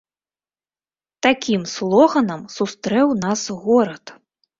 Такім слоганам сустрэў нас горад!